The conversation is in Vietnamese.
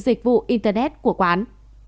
dịch vụ internet của quán